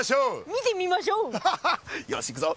見てみましょう！ハハハ！よし行くぞ。